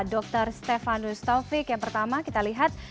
dr stefanus taufik yang pertama kita lihat